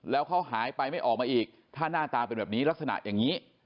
แล้วเขาหายไปไม่ออกมาอีกถ้าหน้าตาเป็นแบบนี้ลักษณะอย่างนี้